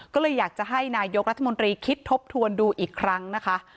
ก็เลยอยากจะให้นายกรัฐมนตรีคิดทบทวนดูอีกครั้งนะคะ